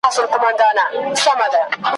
له عمرونو په دې کور کي هستېدله ,